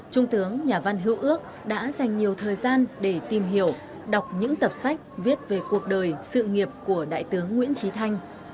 trung tướng nhà văn hữu ước đã dành nhiều thời gian để tìm hiểu đọc những tập sách viết về cuộc đời sự nghiệp của đại tướng nguyễn trí thanh